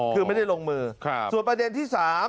คือไม่ได้ลงมือส่วนประเด็นที่๓